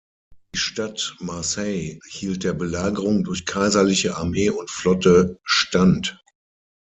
Die Stadt Marseille hielt der Belagerung durch kaiserliche Armee und Flotte stand.